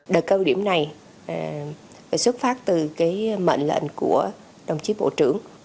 đợt cơ điểm này phải xuất phát từ mệnh lệnh của đồng chí bộ trưởng